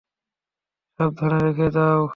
সাবধানে রেখে দাও।